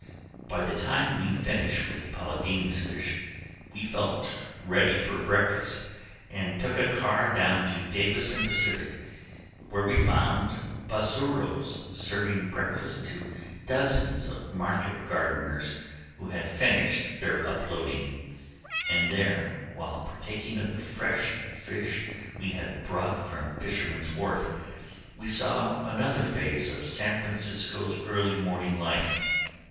By the time we finished with Paladini's fish we felt ready for breakfast and took a car down to Davis and Pacific street where we found Bazzuro's serving breakfast to dozens of market gardeners who had finished their unloading, and there, while partaking of the fresh fish we had brought from Fishermen's Wharf, we saw another phase of San Francisco's early morning life.